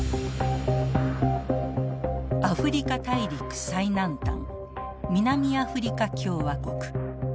アフリカ大陸最南端南アフリカ共和国。